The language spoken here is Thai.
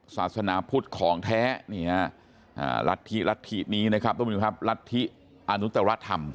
ศาสนาพุทธของแท้รัฐธิรัฐธินี้นะครับท่านผู้ชมครับรัฐธิอนุตรธรรม